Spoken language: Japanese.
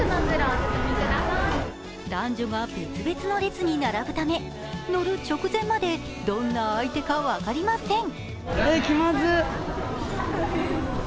男女が別々の列に並ぶため乗る直前までどんな相手か分かりません。